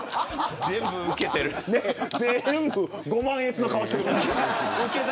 全部、ご満悦の顔で受けてる。